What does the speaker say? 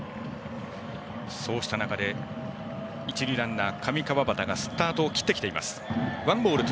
そうした中で一塁ランナーの上川畑がスタートを切ってきています。